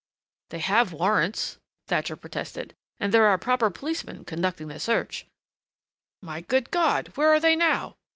"They have warrants," Thatcher protested. "And there are proper policemen conducting the search " "My good God! Where are they now?